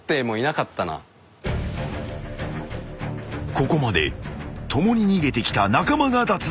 ［ここまで共に逃げてきた仲間が脱落］